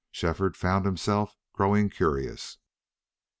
Shefford found himself growing curious.